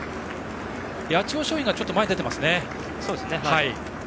八千代松陰がちょっと前に出ていますね。